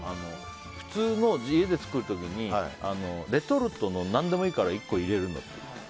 普通の家で作る時にレトルトの何でもいいから１個入れるの。